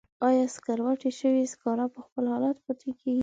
آیا سکروټې شوي سکاره په خپل حالت پاتې کیږي؟